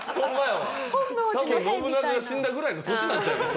多分信長が死んだぐらいの年なんちゃいます？